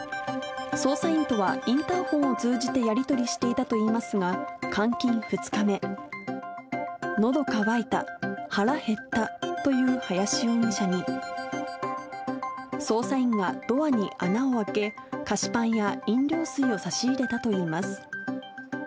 捜査員とはインターホンを通じてやり取りしていたといいますが、監禁２日目、のど渇いた、腹減ったという林容疑者に、捜査員がドアに穴を開け、菓子パンや飲料水を差し入れたといいます。